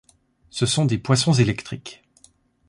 Ce sont des poissons électriques.